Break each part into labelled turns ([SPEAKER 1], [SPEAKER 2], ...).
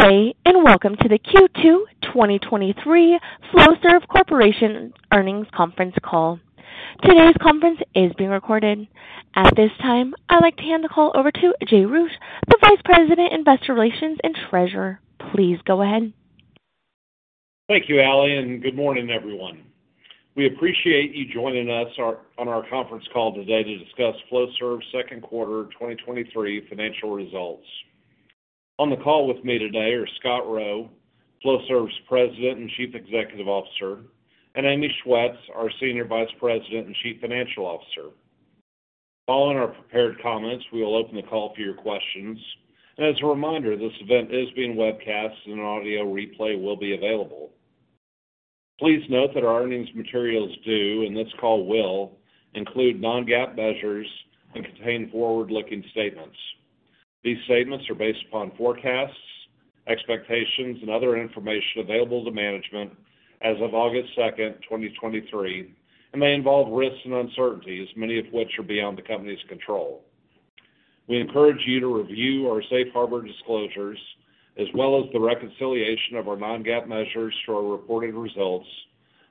[SPEAKER 1] Good day, and welcome to the Q2 2023 Flowserve Corporation Earnings Conference Call. Today's conference is being recorded. At this time, I'd like to hand the call over to Jay Roueche, the Vice President, Investor Relations and Treasurer. Please go ahead.
[SPEAKER 2] Thank you, Ali. Good morning, everyone. We appreciate you joining us on our conference call today to discuss Flowserve's second quarter 2023 financial results. On the call with me today are Scott Rowe, Flowserve's President and Chief Executive Officer, and Amy Schwetz, our Senior Vice President and Chief Financial Officer. Following our prepared comments, we will open the call for your questions. As a reminder, this event is being webcast and an audio replay will be available. Please note that our earnings materials do, and this call will, include non-GAAP measures and contain forward-looking statements. These statements are based upon forecasts, expectations, and other information available to management as of August 2, 2023, and may involve risks and uncertainties, many of which are beyond the company's control. We encourage you to review our safe harbor disclosures, as well as the reconciliation of our non-GAAP measures to our reported results,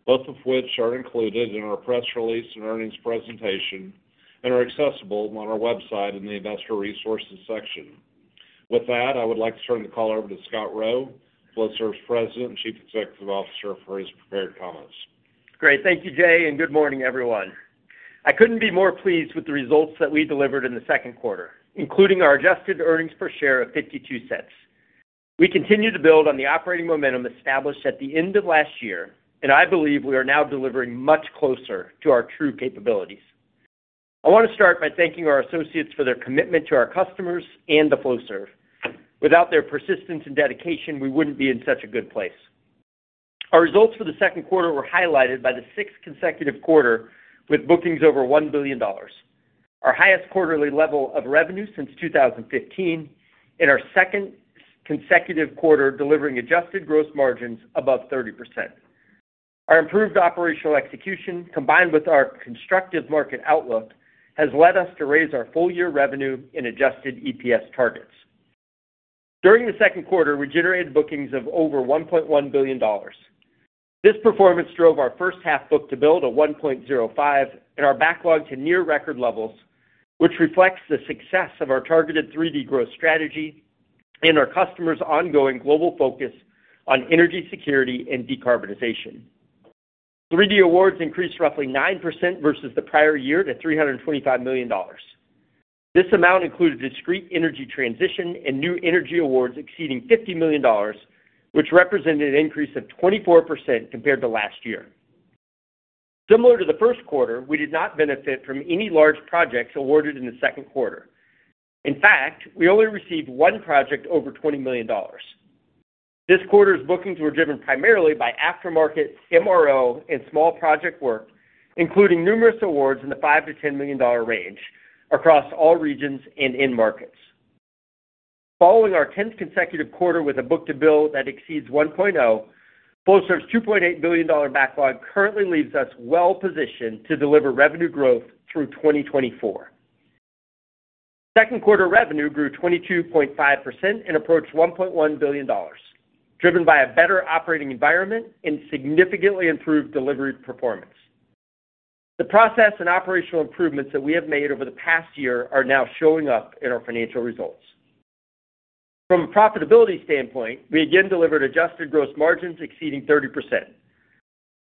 [SPEAKER 2] both of which are included in our press release and earnings presentation and are accessible on our website in the Investor Resources section. With that, I would like to turn the call over to Scott Rowe, Flowserve's President and Chief Executive Officer, for his prepared comments.
[SPEAKER 3] Great. Thank you, Jay. Good morning, everyone. I couldn't be more pleased with the results that we delivered in the second quarter, including our adjusted earnings per share of $0.52. We continue to build on the operating momentum established at the end of last year. I believe we are now delivering much closer to our true capabilities. I want to start by thanking our associates for their commitment to our customers and to Flowserve. Without their persistence and dedication, we wouldn't be in such a good place. Our results for the second quarter were highlighted by the sixth consecutive quarter with bookings over $1 billion, our highest quarterly level of revenue since 2015, and our second consecutive quarter delivering adjusted gross margins above 30%. Our improved operational execution, combined with our constructive market outlook, has led us to raise our full-year revenue and adjusted EPS targets. During the second quarter, we generated bookings of over $1.1 billion. This performance drove our first half book-to-bill a 1.05 and our backlog to near record levels, which reflects the success of our targeted 3D growth strategy and our customers' ongoing global focus on energy security and decarbonization. 3D awards increased roughly 9% versus the prior year to $325 million. This amount included discrete energy transition and new energy awards exceeding $50 million, which represented an increase of 24% compared to last year. Similar to the first quarter, we did not benefit from any large projects awarded in the second quarter. In fact, we only received one project over $20 million. This quarter's bookings were driven primarily by aftermarket, MRO, and small project work, including numerous awards in the $5 million-$10 million range across all regions and end markets. Following our tenth consecutive quarter with a book-to-bill that exceeds 1.0, Flowserve's $2.8 billion backlog currently leaves us well-positioned to deliver revenue growth through 2024. Second quarter revenue grew 22.5% and approached $1.1 billion, driven by a better operating environment and significantly improved delivery performance. The process and operational improvements that we have made over the past year are now showing up in our financial results. From a profitability standpoint, we again delivered adjusted gross margins exceeding 30%.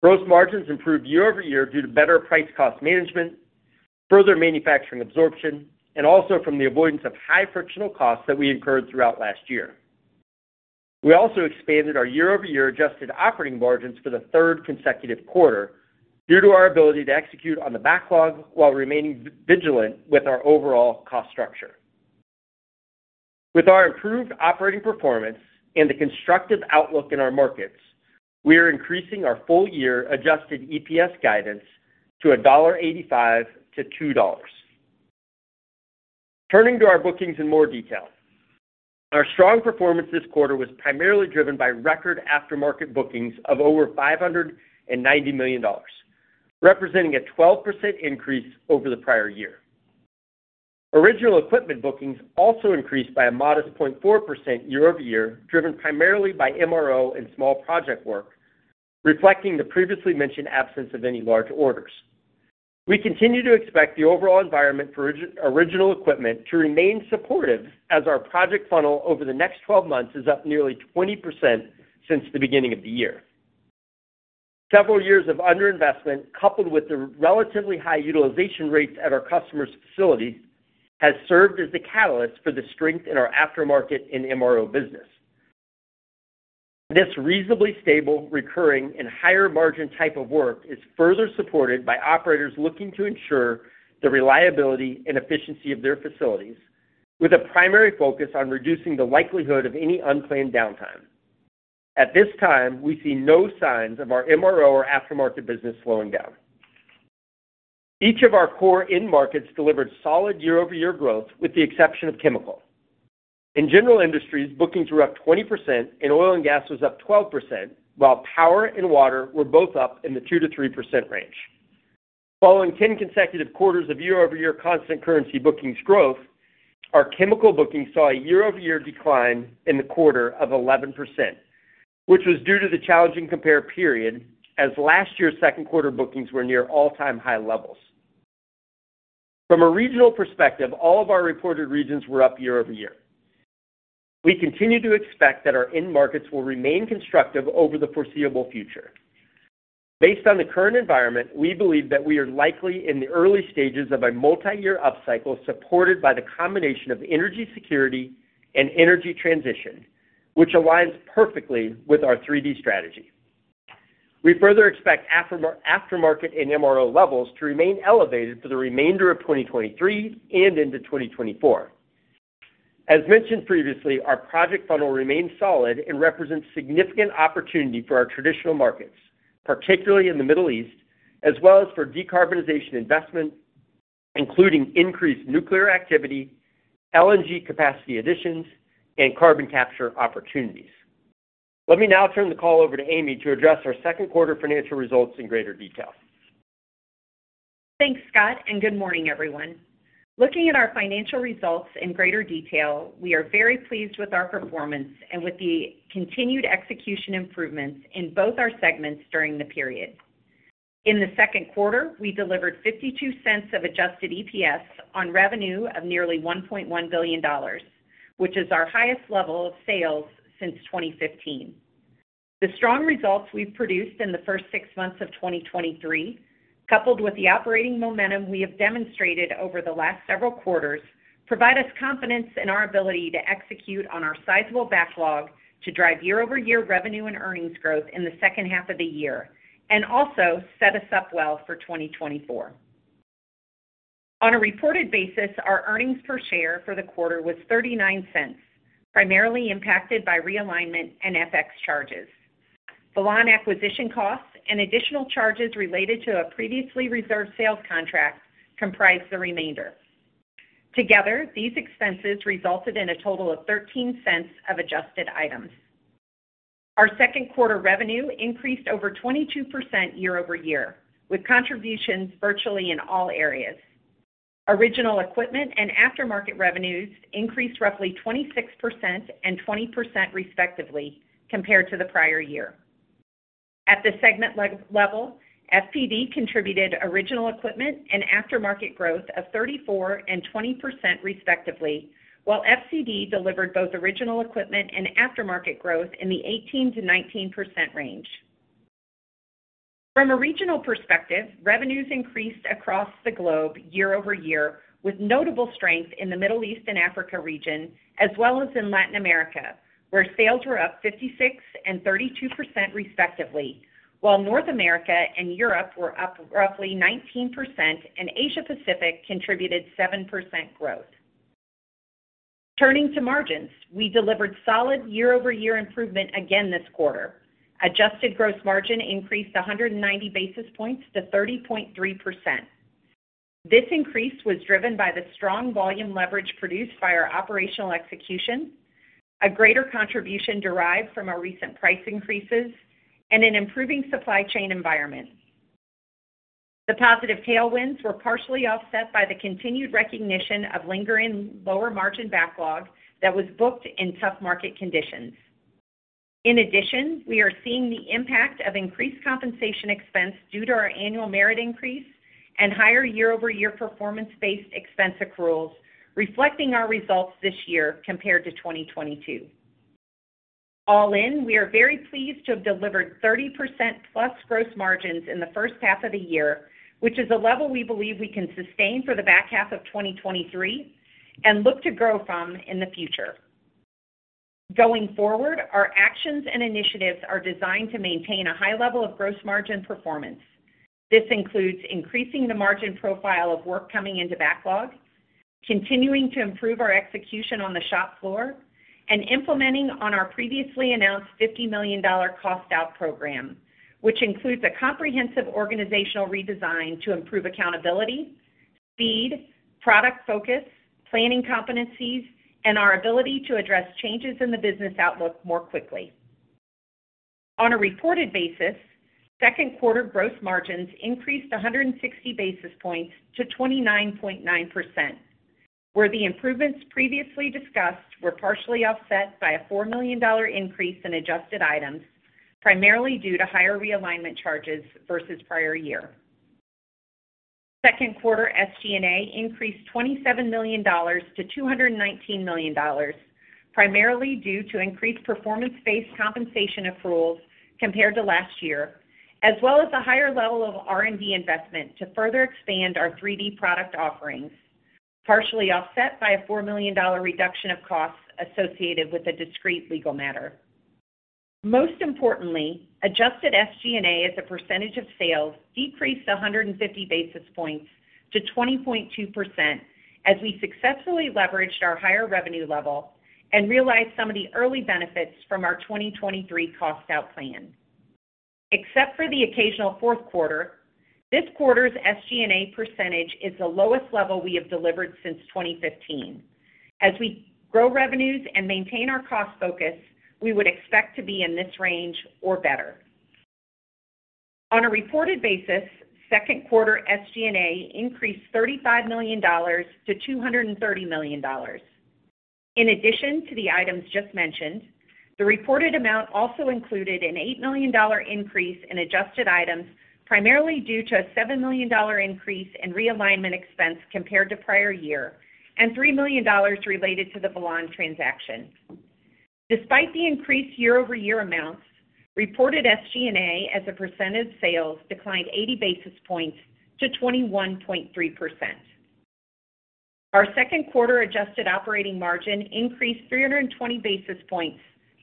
[SPEAKER 3] Gross margins improved year-over-year due to better price-cost management, further manufacturing absorption, and also from the avoidance of high frictional costs that we incurred throughout last year. We also expanded our year-over-year adjusted operating margins for the third consecutive quarter due to our ability to execute on the backlog while remaining vigilant with our overall cost structure. With our improved operating performance and the constructive outlook in our markets, we are increasing our full-year adjusted EPS guidance to $1.85-$2.00. Turning to our bookings in more detail. Our strong performance this quarter was primarily driven by record aftermarket bookings of over $590 million, representing a 12% increase over the prior year. Original equipment bookings also increased by a modest 0.4% year-over-year, driven primarily by MRO and small project work, reflecting the previously mentioned absence of any large orders. We continue to expect the overall environment for original equipment to remain supportive, as our project funnel over the next 12 months is up nearly 20% since the beginning of the year. Several years of underinvestment, coupled with the relatively high utilization rates at our customers' facilities, has served as the catalyst for the strength in our aftermarket and MRO business. This reasonably stable, recurring, and higher-margin type of work is further supported by operators looking to ensure the reliability and efficiency of their facilities, with a primary focus on reducing the likelihood of any unplanned downtime. At this time, we see no signs of our MRO or aftermarket business slowing down. Each of our core end markets delivered solid year-over-year growth, with the exception of chemical. In general industries, bookings were up 20%, and oil and gas was up 12%, while power and water were both up in the 2%-3% range. Following 10 consecutive quarters of year-over-year constant currency bookings growth, our chemical bookings saw a year-over-year decline in the quarter of 11%, which was due to the challenging compare period, as last year's second quarter bookings were near all-time high levels. From a regional perspective, all of our reported regions were up year-over-year. We continue to expect that our end markets will remain constructive over the foreseeable future. Based on the current environment, we believe that we are likely in the early stages of a multi-year upcycle, supported by the combination of energy security and energy transition, which aligns perfectly with our 3D strategy. We further expect aftermarket and MRO levels to remain elevated for the remainder of 2023 and into 2024. As mentioned previously, our project funnel remains solid and represents significant opportunity for our traditional markets, particularly in the Middle East, as well as for decarbonization investments, including increased nuclear activity, LNG capacity additions, and carbon capture opportunities. Let me now turn the call over to Amy to address our second quarter financial results in greater detail.
[SPEAKER 4] Thanks, Scott, good morning, everyone. Looking at our financial results in greater detail, we are very pleased with our performance and with the continued execution improvements in both our segments during the period. In the second quarter, we delivered $0.52 of adjusted EPS on revenue of nearly $1.1 billion, which is our highest level of sales since 2015. The strong results we've produced in the first 6 months of 2023, coupled with the operating momentum we have demonstrated over the last several quarters, provide us confidence in our ability to execute on our sizable backlog to drive year-over-year revenue and earnings growth in the second half of the year, and also set us up well for 2024. On a reported basis, our earnings per share for the quarter was $0.39, primarily impacted by realignment and FX charges. Velan acquisition costs and additional charges related to a previously reserved sales contract comprised the remainder. Together, these expenses resulted in a total of $0.13 of adjusted items. Our second quarter revenue increased over 22% year-over-year, with contributions virtually in all areas. Original equipment and aftermarket revenues increased roughly 26% and 20%, respectively, compared to the prior year. At the segment leg- level, FPD contributed original equipment and aftermarket growth of 34% and 20%, respectively, while FCD delivered both original equipment and aftermarket growth in the 18%-19% range. From a regional perspective, revenues increased across the globe year-over-year, with notable strength in the Middle East and Africa region, as well as in Latin America, where sales were up 56% and 32%, respectively, while North America and Europe were up roughly 19%, Asia Pacific contributed 7% growth. Turning to margins, we delivered solid year-over-year improvement again this quarter. Adjusted gross margin increased 190 basis points to 30.3%. This increase was driven by the strong volume leverage produced by our operational execution, a greater contribution derived from our recent price increases, and an improving supply chain environment. The positive tailwinds were partially offset by the continued recognition of lingering lower-margin backlog that was booked in tough market conditions. In addition, we are seeing the impact of increased compensation expense due to our annual merit increase and higher year-over-year performance-based expense accruals, reflecting our results this year compared to 2022. All in, we are very pleased to have delivered 30% plus gross margins in the first half of the year, which is a level we believe we can sustain for the back half of 2023 and look to grow from in the future. Going forward, our actions and initiatives are designed to maintain a high level of gross margin performance. This includes increasing the margin profile of work coming into backlog, continuing to improve our execution on the shop floor, and implementing on our previously announced $50 million cost out program, which includes a comprehensive organizational redesign to improve accountability, speed, product focus, planning competencies, and our ability to address changes in the business outlook more quickly. On a reported basis, second quarter gross margins increased 160 basis points to 29.9%, where the improvements previously discussed were partially offset by a $4 million increase in adjusted items, primarily due to higher realignment charges versus prior year. Second quarter SG&A increased $27 million to $219 million, primarily due to increased performance-based compensation accruals compared to last year, as well as a higher level of R&D investment to further expand our 3D product offerings, partially offset by a $4 million reduction of costs associated with a discrete legal matter. Most importantly, adjusted SG&A as a percentage of sales decreased 150 basis points to 20.2%, as we successfully leveraged our higher revenue level and realized some of the early benefits from our 2023 cost out plan. Except for the occasional fourth quarter, this quarter's SG&A percentage is the lowest level we have delivered since 2015. As we grow revenues and maintain our cost focus, we would expect to be in this range or better. On a reported basis, second quarter SG&A increased $35 million to $230 million. In addition to the items just mentioned, the reported amount also included an $8 million increase in adjusted items, primarily due to a $7 million increase in realignment expense compared to prior year, and $3 million related to the Velan transaction. Despite the increased year-over-year amounts, reported SG&A as a percentage of sales declined 80 basis points to 21.3%. Our second quarter adjusted operating margin increased 320 basis points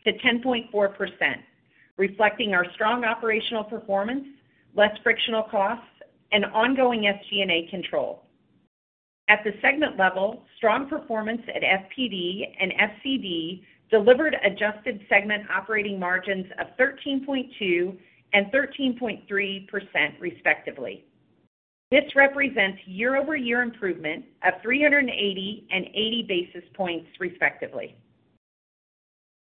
[SPEAKER 4] to 10.4%, reflecting our strong operational performance, less frictional costs, and ongoing SG&A control. At the segment level, strong performance at FPD and FCD delivered adjusted segment operating margins of 13.2% and 13.3%, respectively. This represents year-over-year improvement of 380 and 80 basis points, respectively.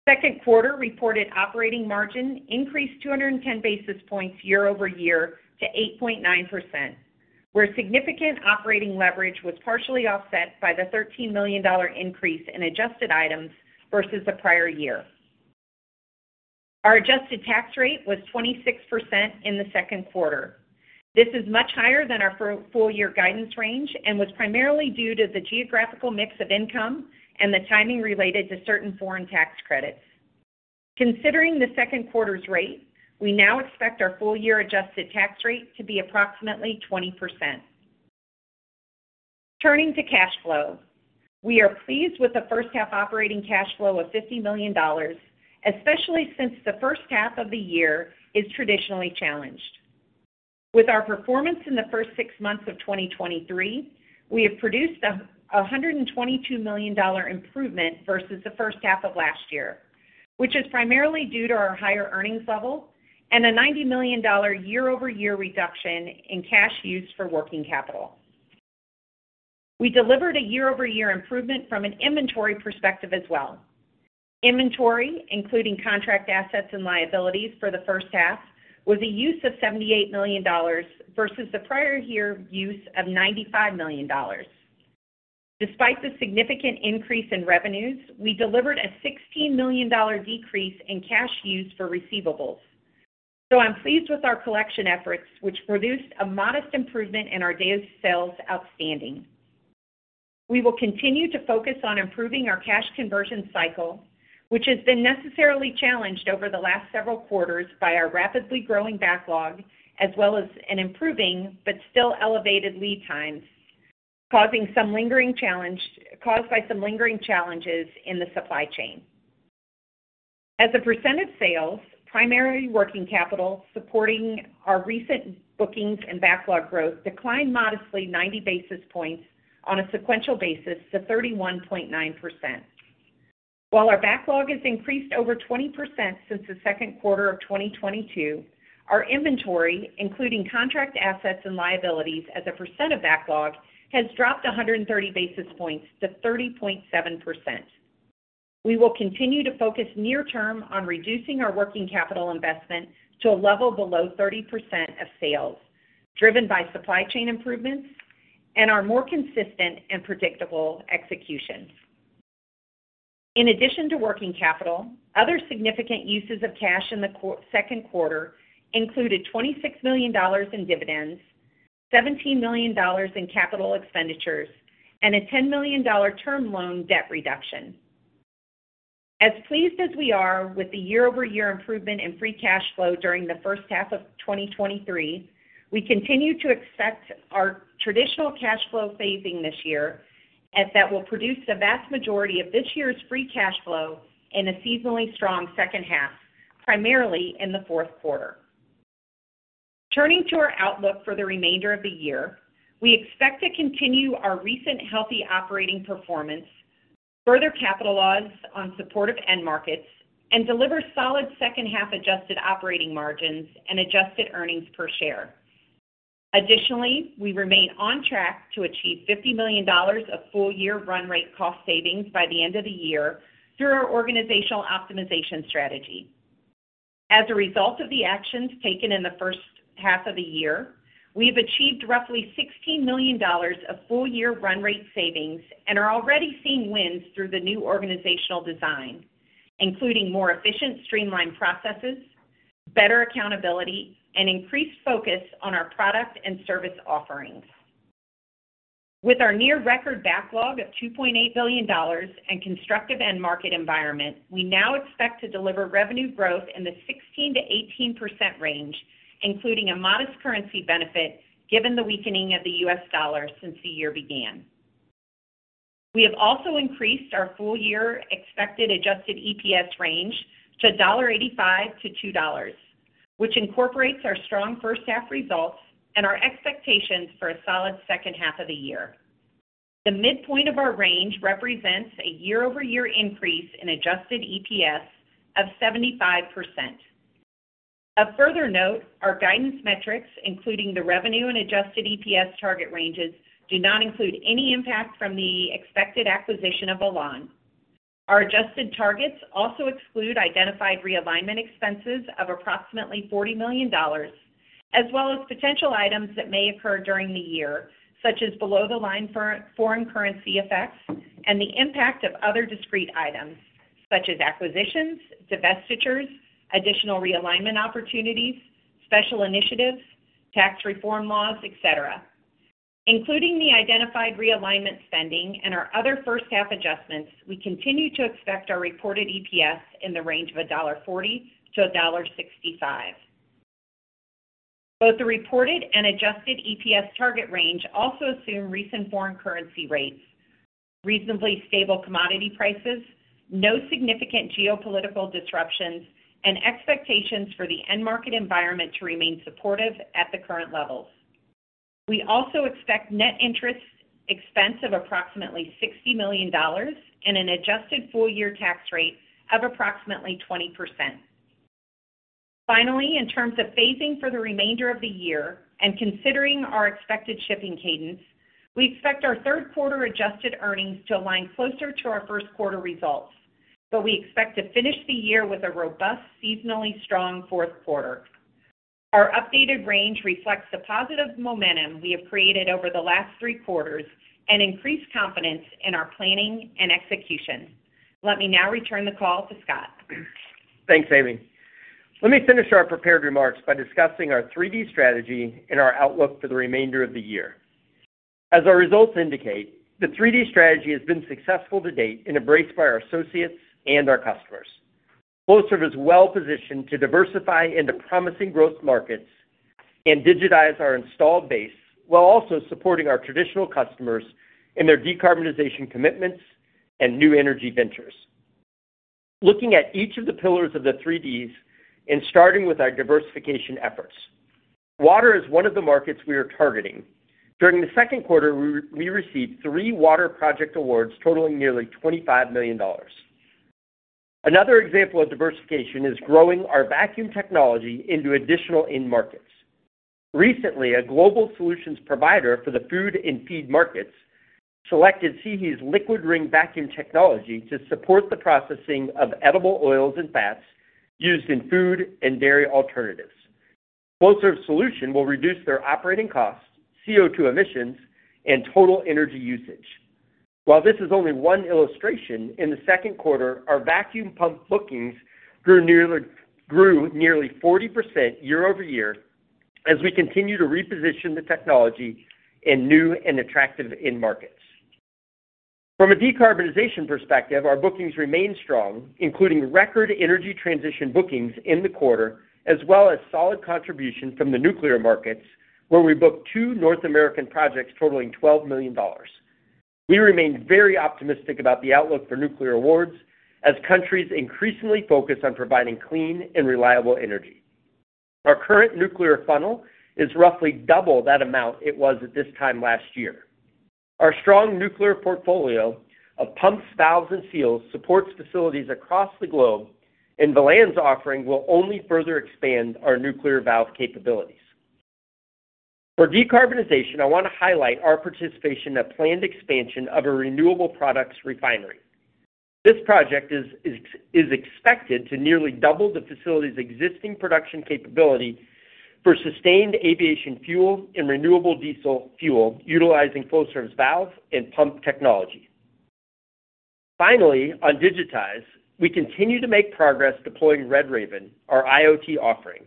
[SPEAKER 4] Second quarter reported operating margin increased 210 basis points year-over-year to 8.9%, where significant operating leverage was partially offset by the $13 million increase in adjusted items versus the prior year. Our adjusted tax rate was 26% in the second quarter. This is much higher than our full year guidance range and was primarily due to the geographical mix of income and the timing related to certain foreign tax credits. Considering the second quarter's rate, we now expect our full year adjusted tax rate to be approximately 20%. Turning to cash flow, we are pleased with the first half operating cash flow of $50 million, especially since the first half of the year is traditionally challenged. With our performance in the first 6 months of 2023, we have produced a $122 million improvement versus the first half of last year, which is primarily due to our higher earnings level and a $90 million year-over-year reduction in cash used for working capital. We delivered a year-over-year improvement from an inventory perspective as well. Inventory, including contract assets and liabilities for the first half, was a use of $78 million versus the prior year use of $95 million. Despite the significant increase in revenues, we delivered a $16 million decrease in cash used for receivables. I'm pleased with our collection efforts, which produced a modest improvement in our days of sales outstanding. We will continue to focus on improving our cash conversion cycle, which has been necessarily challenged over the last several quarters by our rapidly growing backlog, as well as an improving but still elevated lead times, causing some lingering challenges in the supply chain. As a percent of sales, primary working capital, supporting our recent bookings and backlog growth, declined modestly 90 basis points on a sequential basis to 31.9%. While our backlog has increased over 20% since the second quarter of 2022, our inventory, including contract assets and liabilities as a percent of backlog, has dropped 130 basis points to 30.7%. We will continue to focus near term on reducing our working capital investment to a level below 30% of sales, driven by supply chain improvements and our more consistent and predictable executions. In addition to working capital, other significant uses of cash in the second quarter included $26 million in dividends, $17 million in capital expenditures, and a $10 million term loan debt reduction. As pleased as we are with the year-over-year improvement in free cash flow during the first half of 2023, we continue to expect our traditional cash flow phasing this year, as that will produce the vast majority of this year's free cash flow in a seasonally strong second half, primarily in the fourth quarter. Turning to our outlook for the remainder of the year, we expect to continue our recent healthy operating performance, further capitalize on supportive end markets, and deliver solid second half adjusted operating margins and adjusted earnings per share. Additionally, we remain on track to achieve $50 million of full-year run rate cost savings by the end of the year through our organizational optimization strategy. As a result of the actions taken in the first half of the year, we have achieved roughly $16 million of full-year run rate savings and are already seeing wins through the new organizational design, including more efficient, streamlined processes, better accountability, and increased focus on our product and service offerings. With our near record backlog of $2.8 billion and constructive end market environment, we now expect to deliver revenue growth in the 16%-18% range, including a modest currency benefit, given the weakening of the US dollar since the year began. We have also increased our full year expected adjusted EPS range to $1.85-$2.00, which incorporates our strong first half results and our expectations for a solid second half of the year. The midpoint of our range represents a year-over-year increase in adjusted EPS of 75%. Of further note, our guidance metrics, including the revenue and adjusted EPS target ranges, do not include any impact from the expected acquisition of Velan. Our adjusted targets also exclude identified realignment expenses of approximately $40 million, as well as potential items that may occur during the year, such as below-the-line foreign currency effects and the impact of other discrete items, such as acquisitions, divestitures, additional realignment opportunities, special initiatives, tax reform laws, et cetera. Including the identified realignment spending and our other first half adjustments, we continue to expect our reported EPS in the range of $1.40-$1.65. Both the reported and adjusted EPS target range also assume recent foreign currency rates, reasonably stable commodity prices, no significant geopolitical disruptions, and expectations for the end market environment to remain supportive at the current levels. We also expect net interest expense of approximately $60 million and an adjusted full year tax rate of approximately 20%. In terms of phasing for the remainder of the year and considering our expected shipping cadence, we expect our third quarter adjusted earnings to align closer to our first quarter results, but we expect to finish the year with a robust, seasonally strong fourth quarter. Our updated range reflects the positive momentum we have created over the last 3 quarters and increased confidence in our planning and execution. Let me now return the call to Scott.
[SPEAKER 3] Thanks, Amy. Let me finish our prepared remarks by discussing our 3D strategy and our outlook for the remainder of the year. As our results indicate, the 3D strategy has been successful to date and embraced by our associates and our customers. Flowserve is well positioned to diversify into promising growth markets and digitize our installed base, while also supporting our traditional customers in their decarbonization commitments and new energy ventures. Looking at each of the pillars of the 3Ds, starting with our diversification efforts. Water is one of the markets we are targeting. During the second quarter, we received three water project awards totaling nearly $25 million. Another example of diversification is growing our vacuum technology into additional end markets. Recently, a global solutions provider for the food and feed markets selected SIHI's liquid ring vacuum technology to support the processing of edible oils and fats used in food and dairy alternatives. Flowserve solution will reduce their operating costs, CO2 emissions, and total energy usage. While this is only one illustration, in the second quarter, our vacuum pump bookings grew nearly 40% year-over-year as we continue to reposition the technology in new and attractive end markets. From a decarbonization perspective, our bookings remain strong, including record energy transition bookings in the quarter, as well as solid contribution from the nuclear markets, where we booked 2 North American projects totaling $12 million. We remain very optimistic about the outlook for nuclear awards as countries increasingly focus on providing clean and reliable energy. Our current nuclear funnel is roughly double that amount it was at this time last year. Our strong nuclear portfolio of pumps, valves, and seals supports facilities across the globe, and Velan's offering will only further expand our nuclear valve capabilities. For decarbonization, I want to highlight our participation in a planned expansion of a renewable products refinery. This project is expected to nearly double the facility's existing production capability for Sustainable Aviation Fuel and renewable diesel fuel, utilizing Flowserve's valves and pump technology. Finally, on digitize, we continue to make progress deploying RedRaven, our IoT offering,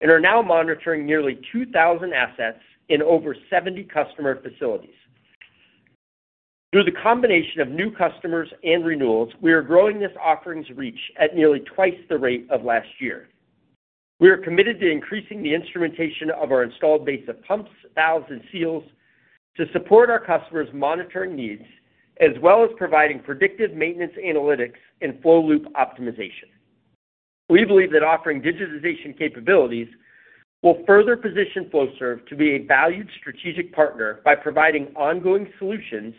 [SPEAKER 3] and are now monitoring nearly 2,000 assets in over 70 customer facilities. Through the combination of new customers and renewals, we are growing this offering's reach at nearly twice the rate of last year. We are committed to increasing the instrumentation of our installed base of pumps, valves, and seals to support our customers' monitoring needs, as well as providing predictive maintenance analytics and flow loop optimization. We believe that offering digitization capabilities will further position Flowserve to be a valued strategic partner by providing ongoing solutions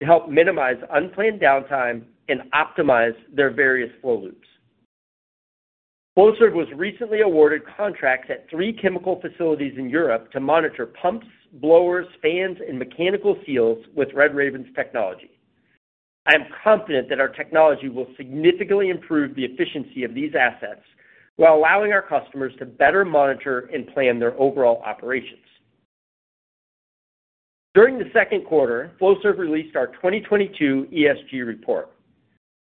[SPEAKER 3] to help minimize unplanned downtime and optimize their various flow loops. Flowserve was recently awarded contracts at three chemical facilities in Europe to monitor pumps, blowers, fans, and mechanical seals with RedRaven's technology. I am confident that our technology will significantly improve the efficiency of these assets while allowing our customers to better monitor and plan their overall operations. During the second quarter, Flowserve released our 2022 ESG report.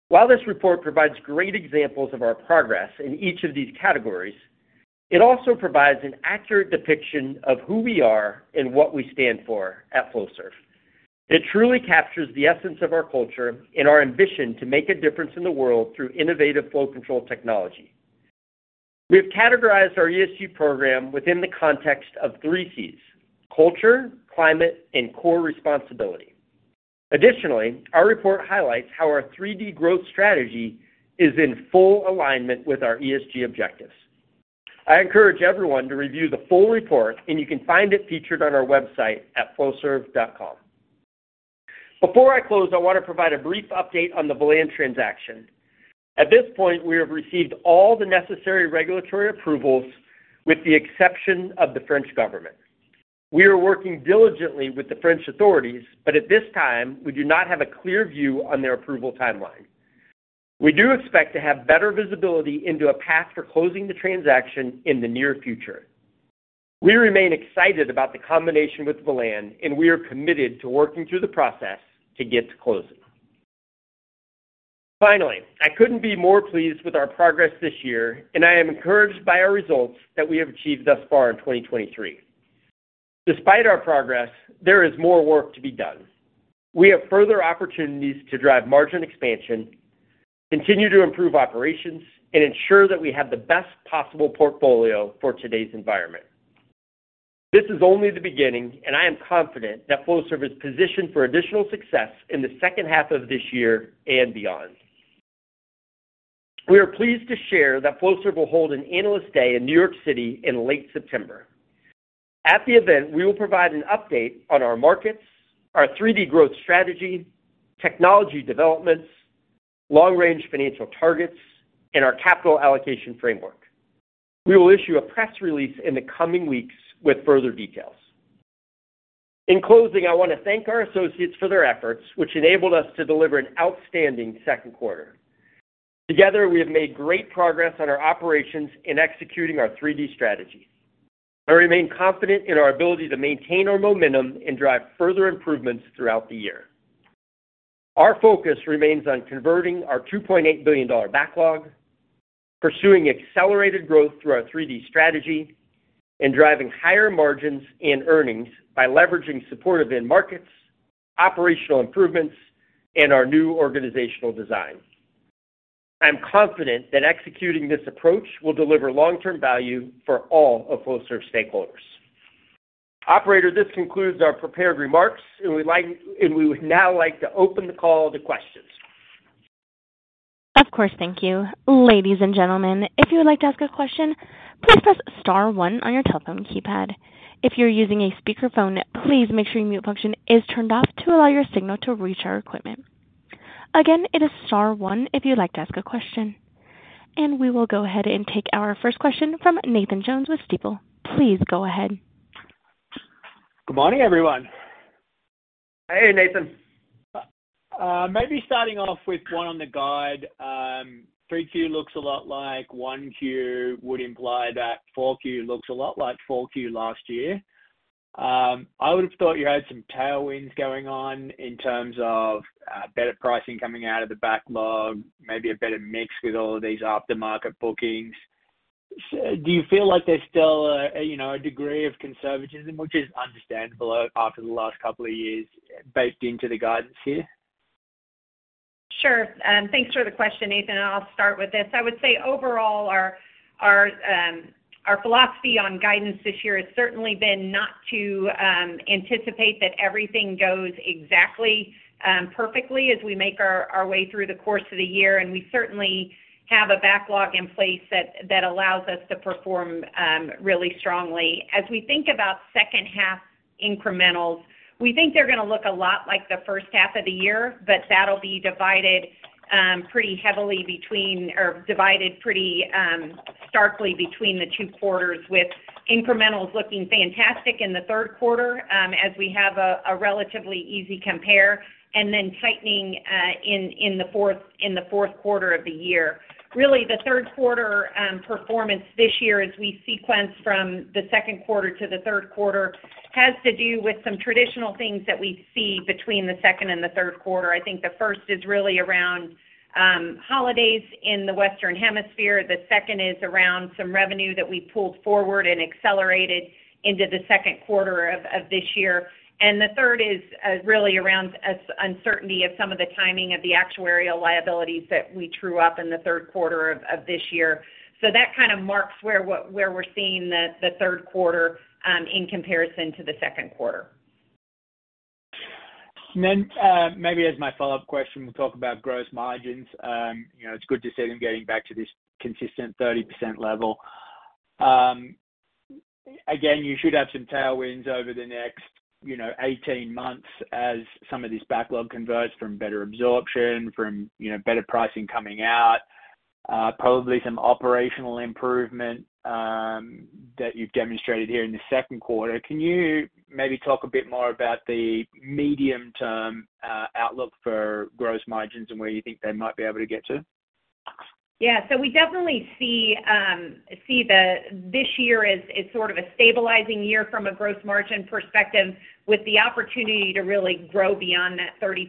[SPEAKER 3] While this report provides great examples of our progress in each of these categories, it also provides an accurate depiction of who we are and what we stand for at Flowserve. It truly captures the essence of our culture and our ambition to make a difference in the world through innovative flow control technology. We have categorized our ESG program within the context of three Cs: culture, climate, and core responsibility. Our report highlights how our 3D growth strategy is in full alignment with our ESG objectives. I encourage everyone to review the full report. You can find it featured on our website at flowserve.com. Before I close, I want to provide a brief update on the Velan transaction. At this point, we have received all the necessary regulatory approvals, with the exception of the French government. We are working diligently with the French authorities, at this time, we do not have a clear view on their approval timeline. We do expect to have better visibility into a path for closing the transaction in the near future. We remain excited about the combination with Velan, we are committed to working through the process to get to closing. Finally, I couldn't be more pleased with our progress this year, and I am encouraged by our results that we have achieved thus far in 2023. Despite our progress, there is more work to be done. We have further opportunities to drive margin expansion, continue to improve operations, and ensure that we have the best possible portfolio for today's environment. This is only the beginning, I am confident that Flowserve is positioned for additional success in the second half of this year and beyond. We are pleased to share that Flowserve will hold an Analyst Day in New York City in late September. At the event, we will provide an update on our markets, our 3D growth strategy, technology developments, long-range financial targets, and our capital allocation framework. We will issue a press release in the coming weeks with further details. In closing, I want to thank our associates for their efforts, which enabled us to deliver an outstanding second quarter. Together, we have made great progress on our operations in executing our 3D strategy. I remain confident in our ability to maintain our momentum and drive further improvements throughout the year. Our focus remains on converting our $2.8 billion backlog, pursuing accelerated growth through our 3D strategy, and driving higher margins and earnings by leveraging supportive end markets, operational improvements, and our new organizational design. I am confident that executing this approach will deliver long-term value for all of Flowserve stakeholders. Operator, this concludes our prepared remarks, and we would now like to open the call to questions.
[SPEAKER 1] Of course. Thank you. Ladies and gentlemen, if you would like to ask a question, please press star one on your telephone keypad. If you're using a speakerphone, please make sure your mute function is turned off to allow your signal to reach our equipment. Again, it is star one if you'd like to ask a question. We will go ahead and take our first question from Nathan Jones with Stifel. Please go ahead.
[SPEAKER 5] Good morning, everyone.
[SPEAKER 3] Hey, Nathan.
[SPEAKER 5] Maybe starting off with 1 on the guide. 3Q looks a lot like 1Q, would imply that 4Q looks a lot like 4Q last year. I would have thought you had some tailwinds going on in terms of better pricing coming out of the backlog, maybe a better mix with all of these aftermarket bookings. Do you feel like there's still a, you know, a degree of conservatism, which is understandable after the last couple of years, baked into the guidance here?
[SPEAKER 4] Sure. Thanks for the question, Nathan. I'll start with this. I would say overall, our, our, our philosophy on guidance this year has certainly been not to anticipate that everything goes exactly perfectly as we make our, our way through the course of the year. We certainly have a backlog in place that, that allows us to perform really strongly. As we think about second half incrementals, we think they're gonna look a lot like the first half of the year, but that'll be divided pretty heavily between or divided pretty starkly between the two quarters, with incrementals looking fantastic in the third quarter, as we have a relatively easy compare, and then tightening in the fourth, in the fourth quarter of the year. Really, the third quarter, performance this year, as we sequence from the second quarter to the third quarter, has to do with some traditional things that we see between the second and the third quarter. I think the first is really around holidays in the Western Hemisphere. The second is around some revenue that we pulled forward and accelerated into the second quarter of this year. The third is really around as uncertainty of some of the timing of the actuarial liabilities that we true up in the third quarter of this year. That kind of marks where we're seeing the third quarter in comparison to the second quarter.
[SPEAKER 5] Maybe as my follow-up question, we'll talk about gross margins. You know, it's good to see them getting back to this consistent 30% level. Again, you should have some tailwinds over the next, you know, 18 months as some of this backlog converts from better absorption, from, you know, better pricing coming out, probably some operational improvement, that you've demonstrated here in the second quarter. Can you maybe talk a bit more about the medium-term outlook for gross margins and where you think they might be able to get to?
[SPEAKER 4] Yeah. We definitely see this year as, as sort of a stabilizing year from a gross margin perspective, with the opportunity to really grow beyond that 30%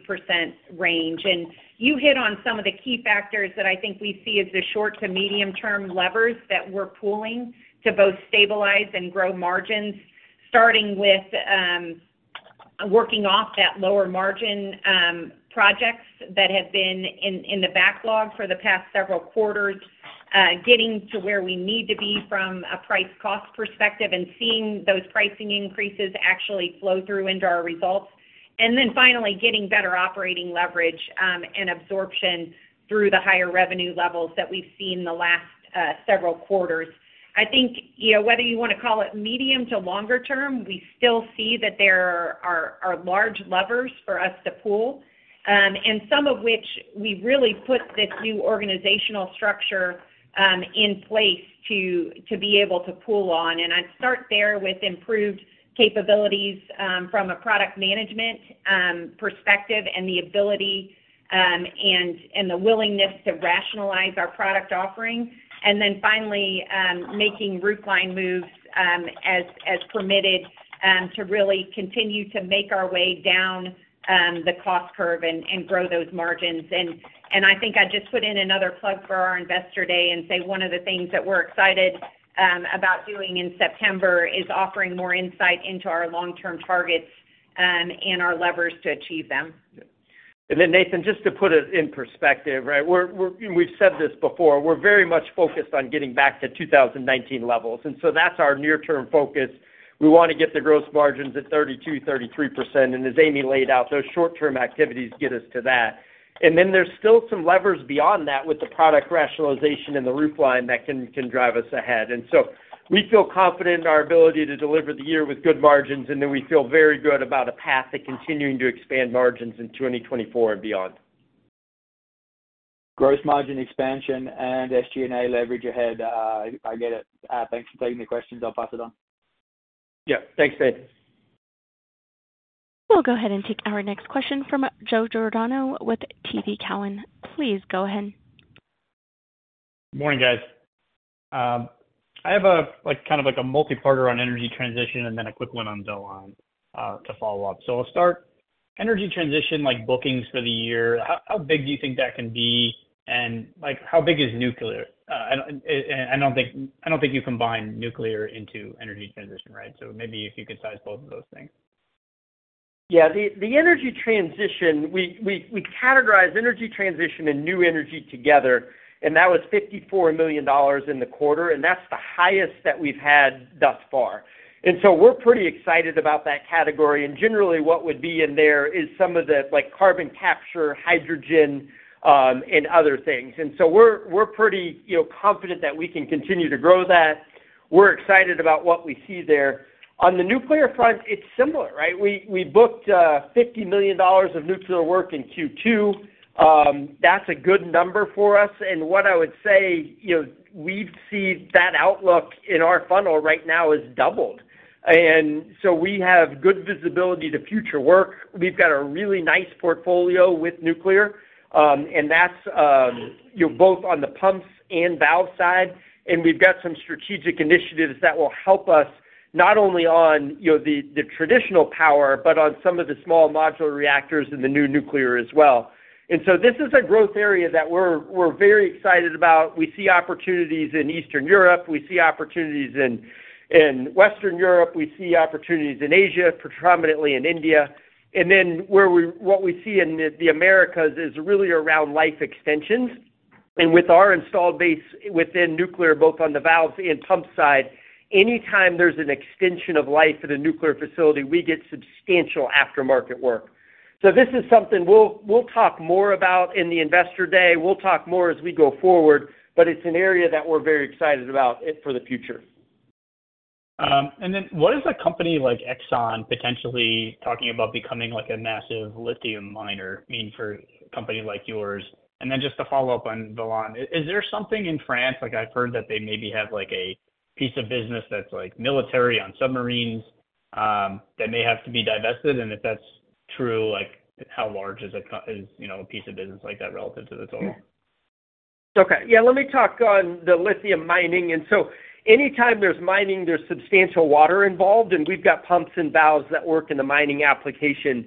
[SPEAKER 4] range. You hit on some of the key factors that I think we see as the short to medium-term levers that we're pulling to both stabilize and grow margins, starting with, working off that lower margin, projects that have been in, in the backlog for the past several quarters. Getting to where we need to be from a price cost perspective, and seeing those pricing increases actually flow through into our results. Then finally, getting better operating leverage, and absorption through the higher revenue levels that we've seen in the last, several quarters. I think, you know, whether you wanna call it medium to longer term, we still see that there are, are large levers for us to pull, and some of which we really put this new organizational structure in place to, to be able to pull on. I'd start there with improved capabilities from a product management perspective, and the ability and the willingness to rationalize our product offering. Finally, making roofline moves as permitted to really continue to make our way down the cost curve and grow those margins. I think I'd just put in another plug for our Investor Day and say one of the things that we're excited about doing in September is offering more insight into our long-term targets and our levers to achieve them.
[SPEAKER 3] Nathan, just to put it in perspective, right? We're, and we've said this before, we're very much focused on getting back to 2019 levels. That's our near-term focus. We wanna get the gross margins at 32%-33%. As Amy laid out, those short-term activities get us to that. Then there's still some levers beyond that with the product rationalization and the roof line that can drive us ahead. We feel confident in our ability to deliver the year with good margins, then we feel very good about a path to continuing to expand margins in 2024 and beyond.
[SPEAKER 5] Gross margin expansion and SG&A leverage ahead, I get it. Thanks for taking the questions. I'll pass it on.
[SPEAKER 3] Yeah, thanks, Ben.
[SPEAKER 1] We'll go ahead and take our next question from Joe Giordano with TD Cowen. Please go ahead.
[SPEAKER 6] Good morning, guys. I have a, like, kind of like a multiparter on energy transition, and then a quick one on Velan, to follow up. I'll start. Energy transition, like, bookings for the year, how, how big do you think that can be? And, like, how big is nuclear? I don't think, I don't think you combine nuclear into energy transition, right? Maybe if you could size both of those things.
[SPEAKER 3] The energy transition, we, we, we categorize energy transition and new energy together, and that was $54 million in the quarter, and that's the highest that we've had thus far. We're pretty excited about that category. Generally, what would be in there is some of the, like, carbon capture, hydrogen, and other things. We're, we're pretty, you know, confident that we can continue to grow that. We're excited about what we see there. On the nuclear front, it's similar, right? We, we booked $50 million of nuclear work in Q2. That's a good number for us. What I would say, you know, we've seen that outlook in our funnel right now is doubled. We have good visibility to future work. We've got a really nice portfolio with nuclear, and that's, you know, both on the pumps and valve side. We've got some strategic initiatives that will help us, not only on, you know, the traditional power, but on some of the small modular reactors and the new nuclear as well. This is a growth area that we're very excited about. We see opportunities in Eastern Europe, we see opportunities in Western Europe, we see opportunities in Asia, predominantly in India. What we see in the Americas is really around life extensions. With our installed base within nuclear, both on the valves and pump side, anytime there's an extension of life at a nuclear facility, we get substantial aftermarket work. This is something we'll talk more about in the Investor Day. We'll talk more as we go forward. It's an area that we're very excited about it for the future.
[SPEAKER 6] What is a company like Exxon potentially talking about becoming, like, a massive lithium miner mean for a company like yours? Then just to follow up on Velan, is there something in France, like I've heard that they maybe have, like, a piece of business that's, like, military on submarines, that may have to be divested? If that's true, like, how large is, you know, a piece of business like that relative to the total?
[SPEAKER 3] Okay. Yeah, let me talk on the lithium mining. Anytime there's mining, there's substantial water involved, and we've got pumps and valves that work in the mining application,